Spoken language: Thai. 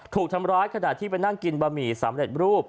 ถูกทำร้ายขณะที่ไปนั่งกินบะหมี่สำเร็จรูป